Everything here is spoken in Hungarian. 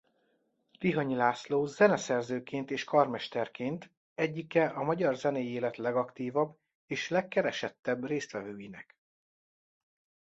Tihanyi László zeneszerzőként és karmesterként egyike a magyar zenei élet legaktívabb és legkeresettebb résztvevőinek.